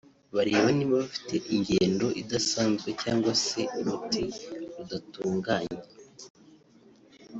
bareba niba bafite ingendo idasanzwe cyangwa se uruti rudatunganye